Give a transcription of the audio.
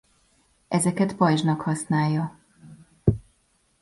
Ezeket pajzsnak használja.